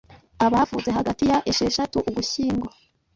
abavutse hagati ya esheshatu Ugushyingo